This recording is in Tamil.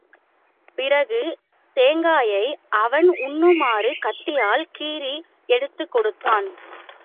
பிறகு, தேங்காயை அவன் உண்ணுமாறு கத்தியால் கீறி எடுத்துக் கொடுத்தான்.